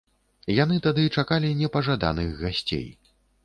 Яны тады чакалі непажаданых гасцей.